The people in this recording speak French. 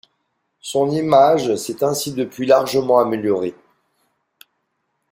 Son image s'est ainsi depuis largement améliorée.